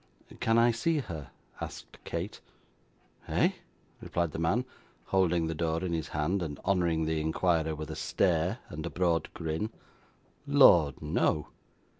'Can I see her?' asked Kate. 'Eh?' replied the man, holding the door in his hand, and honouring the inquirer with a stare and a broad grin, 'Lord, no.